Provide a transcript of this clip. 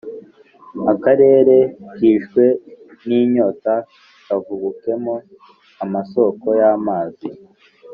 akarere kishwe n’inyota, kavubukemo amasoko y’amazi,